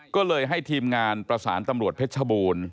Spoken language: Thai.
ก็เลยให้ทีมงานประสานตำรวจเพชรบูรณ์